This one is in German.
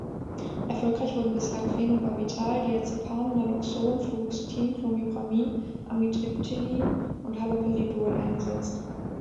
Erfolgreich wurden bislang Phenobarbital, Diazepam, Naloxon, Fluoxetin, Clomipramin, Amitriptylin und Haloperidol eingesetzt.